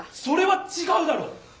それは違うだろ！